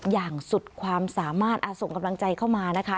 อย่างสุดความสามารถส่งกำลังใจเข้ามานะคะ